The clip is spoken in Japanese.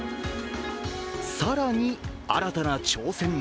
更に、新たな挑戦も。